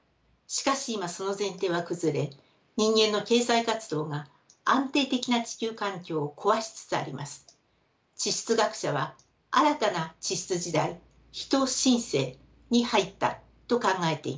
しかし今その前提は崩れ人間の経済活動が安定的な地球環境を壊しつつあります。地質学者は新たな地質時代人新世に入ったと考えています。